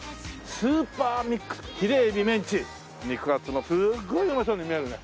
「スーパーミックス」「ヒレエビメンチ」肉厚のすっごいうまそうに見えるね。